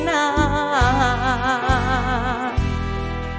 อ่อง